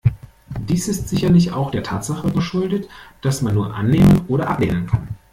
Dies ist sicherlich auch der Tatsache geschuldet, dass man nur annehmen oder ablehnen kann.